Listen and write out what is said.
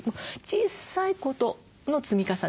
小さいことの積み重ね。